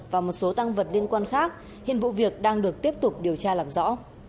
và một số tăng vật liên quan khác hiện vụ việc đang được tiếp tục điều tra làm rõ